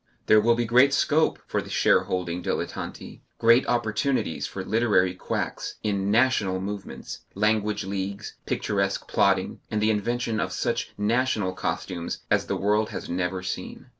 There will be great scope for the shareholding dilettanti, great opportunities for literary quacks, in "national" movements, language leagues, picturesque plotting, and the invention of such "national" costumes as the world has never seen.